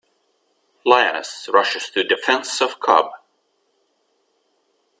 Lioness Rushes to Defense of Cub.